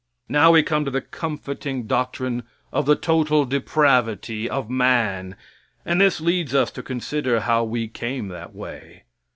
Now we come to the comforting doctrine of the total depravity of man, and this leads us to consider how he came that way.